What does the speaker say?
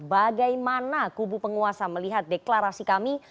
bagaimana kubu penguasa melihat deklarasi kami